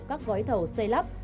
các gói thầu xây lắp